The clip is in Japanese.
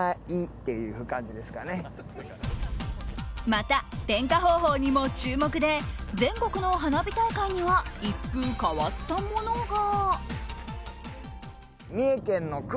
また、点火方法にも注目で全国の花火大会には一風変わったものが。